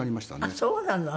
あっそうなの。